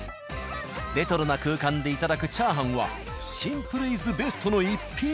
レトロな空間でいただくチャーハンはシンプルイズベストの一品。